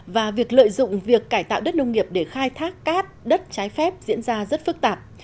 và việc lợi dụng việc cải tạo đất nông nghiệp để khai thác cát đất trái phép diễn ra rất phức tạp